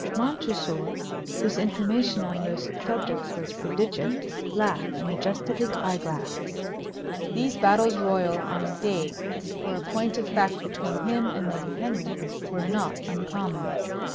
Montresor, whose information on most subjects was prodigious, laughed and adjusted his eye glass. These battles royal on a date or a point of fact between him and Lady Henry were not uncommon.